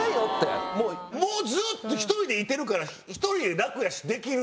もうずっと１人でいてるから１人楽やしできるし。